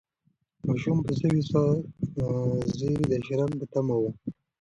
ماشوم په سوې ساه د زېري د شرنګ په تمه و.